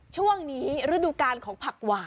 ช่วงนี้ฤดูกาลของผักหวาน